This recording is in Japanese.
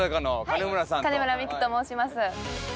金村美玖と申します。